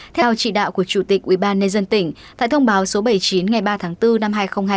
theo chỉ đạo của chủ tịch ubnd tỉnh tại thông báo số bảy mươi chín ngày ba tháng bốn năm hai nghìn hai mươi